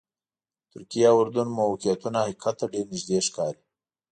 د ترکیې او اردن موقعیتونه حقیقت ته ډېر نږدې ښکاري.